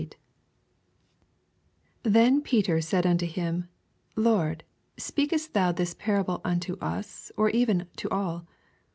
41 Then Peter said unto him, Lord, Bpeakest thou this parable unto us, or even to all